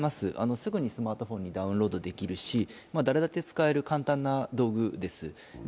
すぐにスマートフォンにダウンロードできるし誰だって使える簡単な道具です。